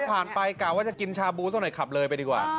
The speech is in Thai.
ขับรถผ่านไปกล่าวว่าจะกินชาบูนึงเท่านั้นขับเลยไปดีกว่า